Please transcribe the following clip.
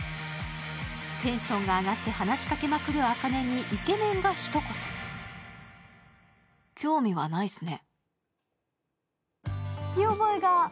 テンションが上がって話しかけまくる茜にイケメンがひと言興味はないすね。